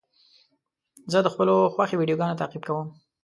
زه د خپلو خوښې ویډیوګانو تعقیب کوم.